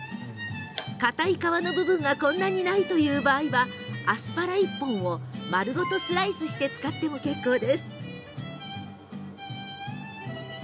かたい皮の部分がこんなにないという場合はアスパラ１本丸ごとスライスして使っても結構です。